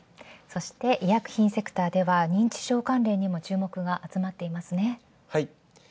そして医薬品セクターでは認知症関連にも注目が集まってますね。